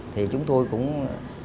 thì chúng tôi cũng đồng ý với anh úc này